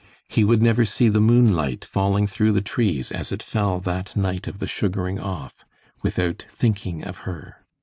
He would never see the moonlight falling through the trees as it fell that night of the sugaring off, without thinking of her.